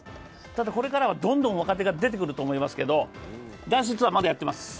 ただこれからはどんどん若手が出てくると思いますけど、男子ツアー、まだまだやってます。